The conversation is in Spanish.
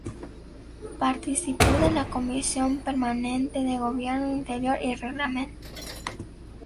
Participó de la comisión permanente de Gobierno Interior y Reglamento.